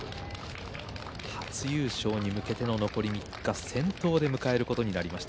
初優勝に向けての残り３日先頭で迎えることになりました。